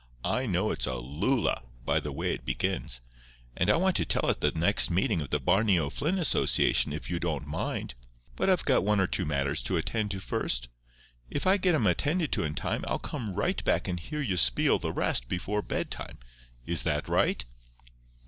I know it's a loola by the way it begins; and I want to tell it at the next meeting of the Barney O'Flynn Association, if you don't mind. But I've got one or two matters to attend to first. If I get 'em attended to in time I'll come right back and hear you spiel the rest before bedtime—is that right?"